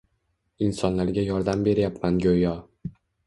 Insonlarga yordam beryapman go‘yo...